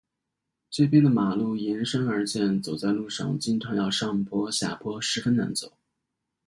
这边的马路沿山而建，走在路上经常要上坡下坡，十分难走。